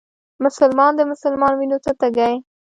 مسلمان د مسلمان وينو ته تږی